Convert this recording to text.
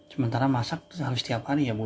sementara masak harus tiap hari ya bu